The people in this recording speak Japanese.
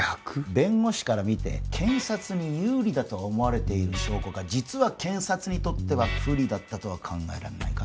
弁護士から見て検察に有利だと思われている証拠が実は検察にとっては不利だったとは考えられないか？